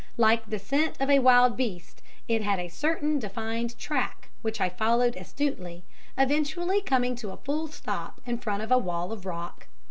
Like the scent of a wild beast, it had a certain defined track which I followed astutely, eventually coming to a full stop in front of a wall of rock.